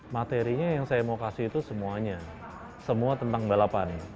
materinya yang saya mau kasih itu semuanya semua tentang balapan